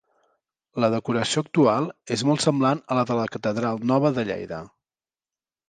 La decoració actual és molt semblant a la de la catedral nova de Lleida.